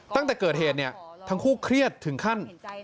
ตั้งแต่เกิดเหตุเนี่ยทั้งคู่เครียดถึงขั้น